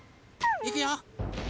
いくよ。